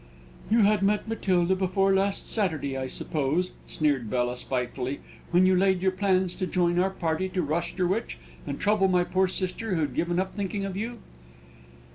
"You had met Matilda before last Saturday, I suppose?" sneered Bella, spitefully "when you laid your plans to join our party to Rosherwich, and trouble my poor sister, who'd given up thinking of you."